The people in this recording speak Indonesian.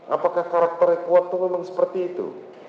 apakah karakternya kuat itu memang seperti itu